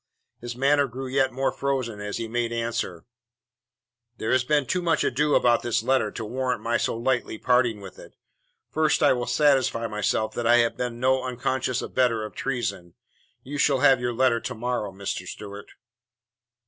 His manner grew yet more frozen as he made answer: "There has been too much ado about this letter to warrant my so lightly parting with it. First I will satisfy myself that I have been no unconscious abettor of treason. You shall have your letter tomorrow, Master Stewart."